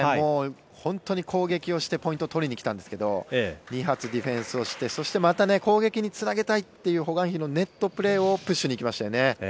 本当に攻撃をしてポイントを取りに来たんですが２発ディフェンスをしてまた攻撃につなげたいというホ・グァンヒのネットプレーをプッシュに行きましたよね。